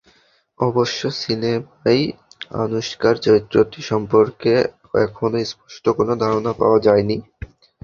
অবশ্য, সিনেমায় আনুশকার চরিত্রটি সম্পর্কে এখনো স্পষ্ট কোনো ধারণা পাওয়া যায়নি।